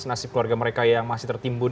nasib keluarga mereka yang masih tertimbun